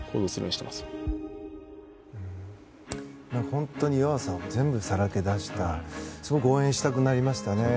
本当に弱さを全部さらけ出してすごく応援したくなりましたね。